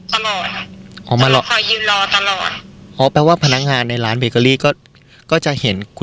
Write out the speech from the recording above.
เธอประจำว่าเธอต้องไหมอาจมีครั้งที่ทำค่ะ